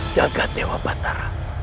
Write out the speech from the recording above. jaga dewa batara